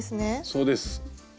そうです。